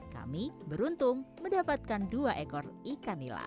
kami beruntung mendapatkan dua ekor ikan nila